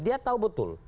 dia tahu betul